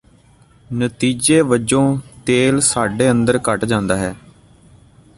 ਨਤੀਜੇ ਵਜੋਂ ਤੇਲ ਸਾਡੇ ਅੰਦਰ ਘੱਟ ਜਾਂਦਾ ਹੈ